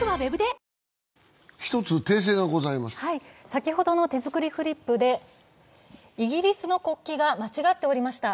先ほどの手作りフリップでイギリスの国旗が間違っておりました。